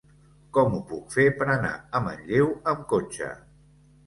Com ho puc fer per anar a Manlleu amb cotxe?